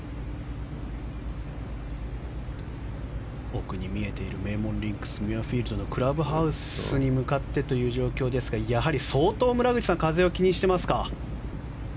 奥に見えている名門リンクスミュアフィールドのクラブハウスに向かってという状況ですが相当、村口さん風を気にしてますか？